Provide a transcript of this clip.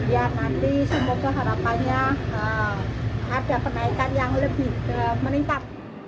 ya nanti semoga harapannya harga penaikan yang lebih meningkat